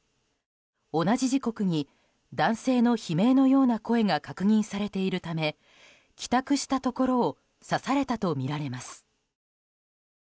同じ時刻に男性の悲鳴のような声が確認されているため帰宅したところを刺されたとみられます。